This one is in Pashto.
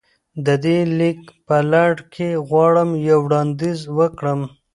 د دې ليک په لړ کې غواړم يو وړانديز وکړم.